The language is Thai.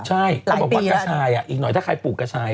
ใช่เขาบอกว่ากระชายอีกหน่อยถ้าใครปลูกกระชาย